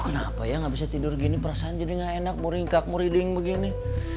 kenapa ya nggak bisa tidur gini perasaan jadi gak enak muringkak muriding begini